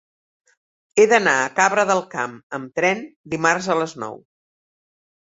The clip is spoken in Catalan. He d'anar a Cabra del Camp amb tren dimarts a les nou.